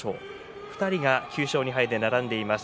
２人が９勝２敗で並んでいます。